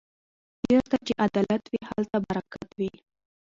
چېرته چې عدالت وي هلته برکت وي.